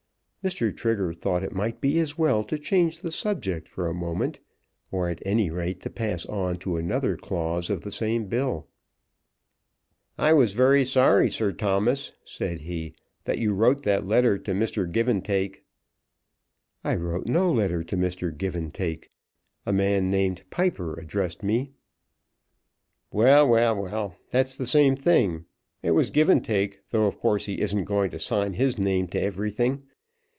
Mr. Trigger thought it might be as well to change the subject for a moment, or, at any rate, to pass on to another clause of the same bill. "I was very sorry, Sir Thomas," said he, "that you wrote that letter to Mr. Givantake." "I wrote no letter to Mr. Givantake. A man named Piper addressed me." "Well, well, well; that's the same thing. It was Givantake, though of course he isn't going to sign his name to everything.